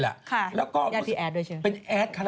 ค่ะแยะที่แอด้วยใช่ไหม